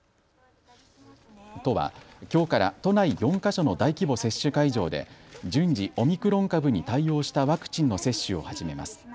都はきょうから都内４か所の大規模接種会場で順次、オミクロン株に対応したワクチンの接種を始めます。